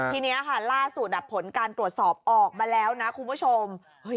ทีนี้ค่ะล่าสุดผลการตรวจสอบออกมาแล้วนะคุณผู้ชม